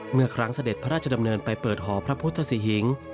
เมื่อครั้งเสด็จพระราชดำเนินไปเปิดหอพระพุทธศรีหิง